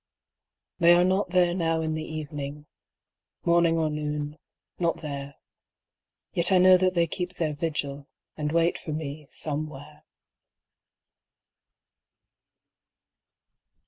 They are not there now in the evening Morning or noon not there; Yet I know that they keep their vigil, And wait for me Somewhere.